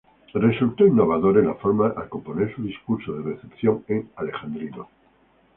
Resultó innovador en la forma al componer su discurso de recepción en alejandrinos.